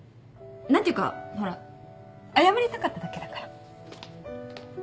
何ていうかほら謝りたかっただけだから。